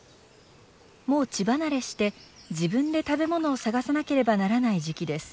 もう乳離れして自分で食べ物を探さなければならない時期です。